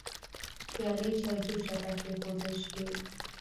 پيالې چايجوشه ته کيښودل شوې.